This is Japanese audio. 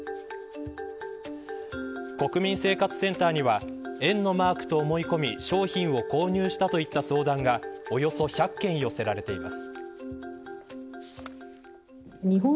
国民生活センターには￥のマークと思い込み商品を購入したといった相談がおよそ１００件寄せられています。